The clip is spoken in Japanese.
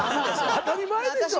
当たり前でしょ！